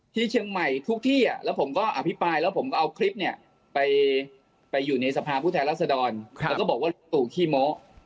ที่เชียงใหม่ทุกที่แล้วผมก็อภิปรายแล้วผมก็เอาคลิปเนี่ยไปอยู่ในสภาพผู้แทนรัศดรแล้วก็บอกว่าตู่ขี้โม